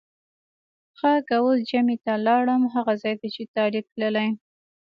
ښه که اوس جمعه ته لاړم هغه ځای ته چې طالب تللی.